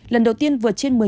lần đầu tiên vượt trên một mươi